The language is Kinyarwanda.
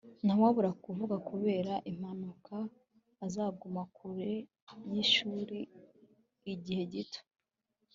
Ntawabura kuvuga kubera impanuka azaguma kure yishuri igihe gito